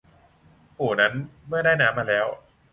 ปู่นั้นเมื่อได้น้ำมาแล้ว